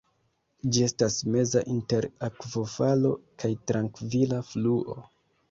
Ĝi estas meza inter akvofalo kaj trankvila fluo.